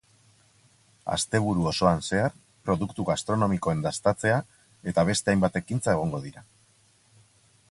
Asteburu osoan zehar, produktu gastronomikoen dastatzea eta beste hainbat ekintza egongo dira.